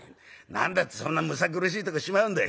何だってそんなむさ苦しいとこしまうんだい？」。